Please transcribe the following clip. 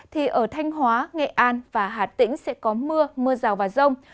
thì ở thanh hóa nghệ an và hà tĩnh sẽ có mưa mưa rào và rông